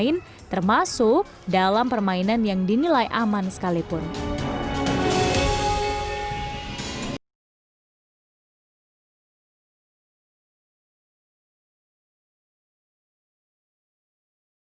ia juga diharapkan menjadi pelajaran bagi para orang tua untuk terus mengawasi buah hati mereka asalnya